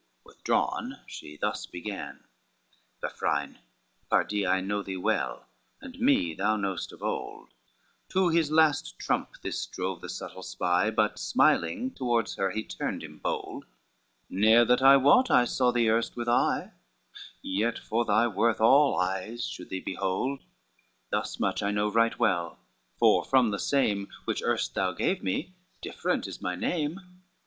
LXXX Withdrawn, she thus began, "Vafrine, pardie, I know thee well, and me thou knowest of old," To his last trump this drove the subtle spy, But smiling towards her he turned him bold, "Ne'er that I wot I saw thee erst with eye, Yet for thy worth all eyes should thee behold, Thus much I know right well, for from the same Which erst you gave me different is my name.